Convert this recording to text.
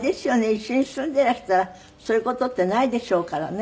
一緒に住んでいらしたらそういう事ってないでしょうからね。